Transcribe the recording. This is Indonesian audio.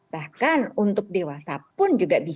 bahkan untuk dewasa pun juga bisa